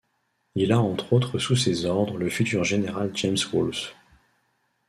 Il a entre autres sous ses ordres le futur général James Wolfe.